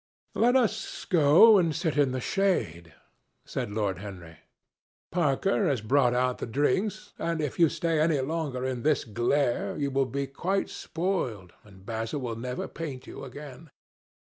"Let us go and sit in the shade," said Lord Henry. "Parker has brought out the drinks, and if you stay any longer in this glare, you will be quite spoiled, and Basil will never paint you again.